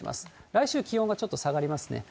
来週、気温がちょっと下がりますね。